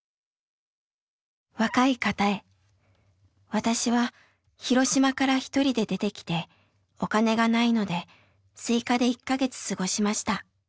「若い方へ私は広島から一人で出てきてお金がないのでスイカで１か月過ごしました。